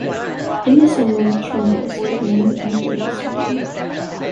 In December, trembles the wind and the bravest man.